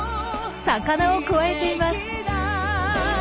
魚をくわえています。